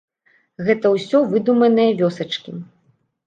Гэта ўсё выдуманыя вёсачкі.